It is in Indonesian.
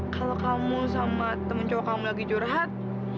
kalau kamu sama temen cowok kamu lagi curhat